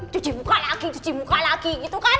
cuci muka lagi cuci muka lagi gitu kan